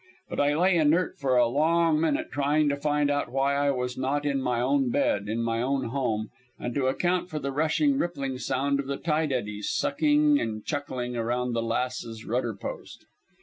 But I lay inert for a long minute trying to find out why I was not in my own bed, in my own home, and to account for the rushing, rippling sound of the tide eddies sucking and chuckling around the Lass's rudder post.